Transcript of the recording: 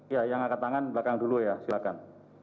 ya yang angkat tangan belakang dulu ya silahkan